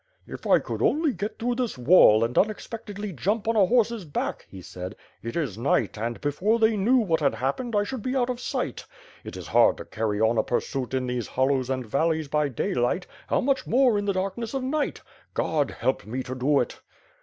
"If I could only get through this wall, and unexpectedly jump on a horses' Imck," he said. "It is night and, before they knew what had happened, I should be out of sight. It is hard to carry on a pursuit in these hollows and valleys by daylight, how much more in the darkness of night! God help me to do it!"